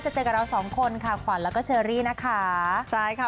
เจอกับเราสองคนค่ะขวัญแล้วก็เชอรี่นะคะใช่ค่ะ